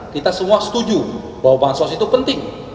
kita semua setuju bahwa bansos itu penting